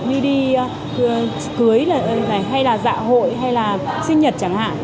như đi cưới hay là dạ hội hay là sinh nhật chẳng hạn